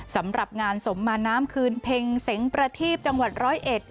สำหรับงานสมมาน้ำคืนเพ็งเสียงประทีบจังหวัดร้อยเอ็ด